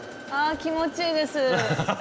ああ気持ちいいです！